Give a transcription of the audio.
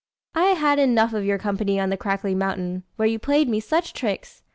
] "I had enough of your company on the Crackling Mountain, where you played me such tricks.